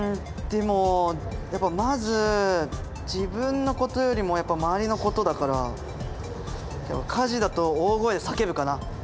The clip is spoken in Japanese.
でもやっぱまず自分のことよりも周りのことだから火事だと大声で叫ぶかな。